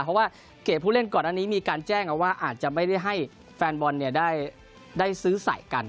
เพราะว่าเกรดผู้เล่นก่อนอันนี้มีการแจ้งเอาว่าอาจจะไม่ได้ให้แฟนบอลได้ซื้อใส่กัน